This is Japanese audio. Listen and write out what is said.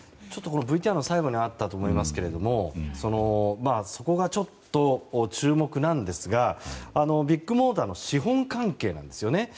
ＶＴＲの最後にあったと思いますけれどもそこが注目なんですがビッグモーターの資本関係なんですよね。